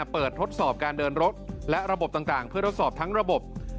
ทดสอบการเดินรถและระบบต่างเพื่อทดสอบทั้งระบบ